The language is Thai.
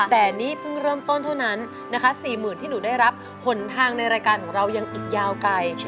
แต่นี่เพิ่งเริ่มต้นเท่านั้นนะคะ๔๐๐๐ที่หนูได้รับหนทางในรายการของเรายังอีกยาวไกล